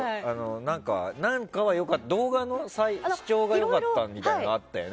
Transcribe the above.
動画の視聴が良かったみたいなのあったよね。